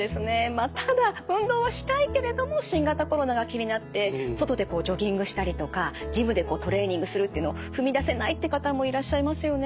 まあただ運動はしたいけれども新型コロナが気になって外でジョギングしたりとかジムでトレーニングするっていうのを踏み出せないって方もいらっしゃいますよね。